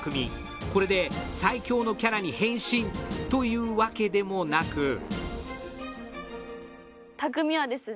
これで最強のキャラに変身というわけでもなく巧はですね